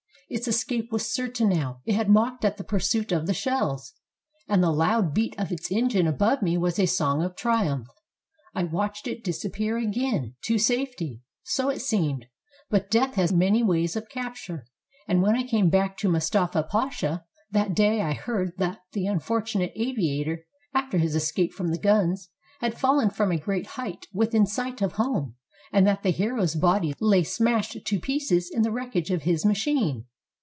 Its escape was certain now. It had mocked at the pursuit of the shells, and the loud beat of its engine above me was a song of triumph. I watched it disappear again — to safety. So it seemed; but death has many ways of capture, and when I came back to Mustafa Pasha that day I heard that the unfortunate aviator, after his escape from the guns, had fallen from a great height within sight of home, and that the hero's body lay smashed to pieces in the wreckage of his machine.